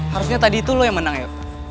harusnya tadi itu lo yang menang ya